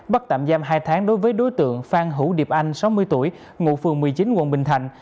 bắt tạm giam hai tháng đối với đối tượng phan hữu điệp anh sáu mươi tuổi ngụ phường một mươi chín quận bình thạnh